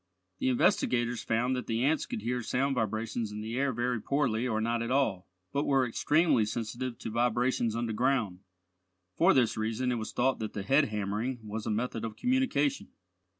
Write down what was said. The investigators found that the ants could hear sound vibrations in the air very poorly or not at all, but were extremely sensitive to vibrations underground. For this reason it was thought that the head hammering was a method of communication.